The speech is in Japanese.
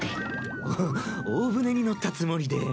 お大船に乗ったつもりで。